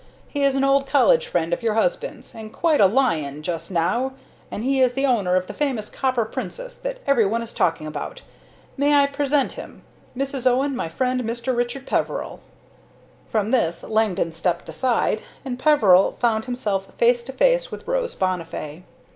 He is an old college friend of your husband's, and quite a lion just now, for he is the owner of the famous Copper Princess that every one is talking about. May I present him? Mrs. Owen, my friend Mr. Richard Peveril." With this Langdon stepped aside, and Peveril found himself face to face with Rose Bonnifay.